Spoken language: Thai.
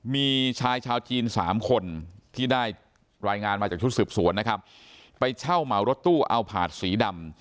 มีชายชาวจีนสามคนที่ได้รายงานมาจากชุดสืบสวนนะครับไปเช่าเหมารถตู้เอาผาดสีดำ